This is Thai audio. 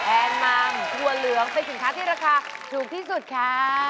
แอนมังถั่วเหลืองเป็นสินค้าที่ราคาถูกที่สุดค่ะ